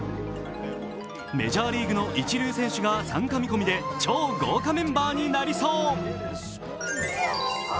メジャーリーグの一流選手が参加見込みで超豪華メンバーになりそう。